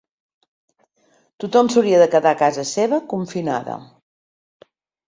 Tothom s’hauria de quedar a casa seva confinada.